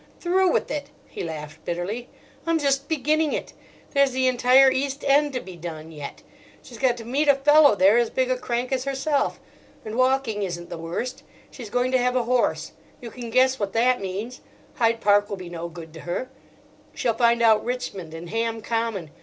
"Through with it!" he laughed bitterly. "I'm just beginning it. There's the entire East End to be done yet: she's got to meet a fellow there as big a crank as herself. And walking isn't the worst. She's going to have a horse; you can guess what that means.—Hyde Park will be no good to her. She'll find out Richmond and Ham Common.